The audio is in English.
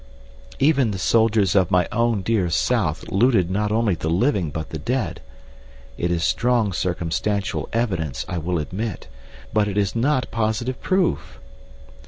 "Even the soldiers of my own dear South looted not only the living but the dead. It is strong circumstantial evidence, I will admit, but it is not positive proof."